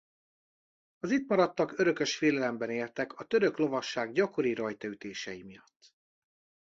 Az itt maradtak örökös félelemben éltek a török lovasság gyakori rajtaütései miatt.